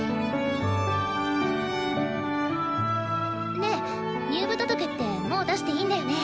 ねえ入部届ってもう出していいんだよね？